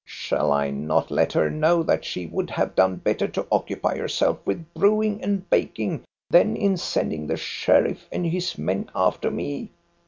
Shall I not let her know that she would have done better to occupy herself with brewing and baking, than in sending the sheriff and his men after me?